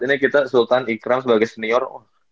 ini kita sultan ikram sebagai senior